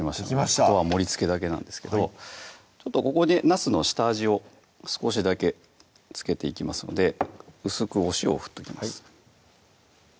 あとは盛りつけだけなんですけどここでなすの下味を少しだけ付けていきますので薄くお塩を振っときます